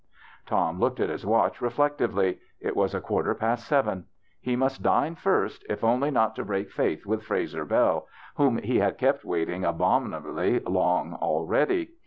Tom looked at his watch reflectively. It was a quarter past seven. He must dine first, if only not to break faith with Frazer Bell, whom he had kept waiting abominably long already.